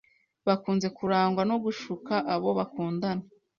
bakunze kurangwa no gushuka abo bakundana